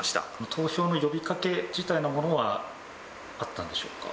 投票の呼びかけ自体のものはあったんでしょうか？